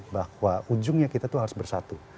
bahwa ujungnya kita itu harus bersatu